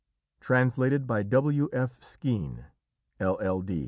_Translated by W. F. Skene, LL.